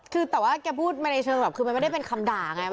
คือแต่ว่าแกพูดมาในเชิงแบบคือมันไม่ได้เป็นคำด่าไง